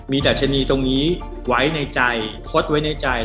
ดัชนีตรงนี้ไว้ในใจทดไว้ในใจ